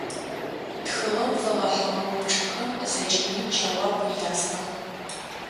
Тхыгъэм фэгъэхьыгъэ упчӏэхэм зэкӏэми джэуап ястыгъ.